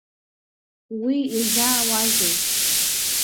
Уи иазаауеи.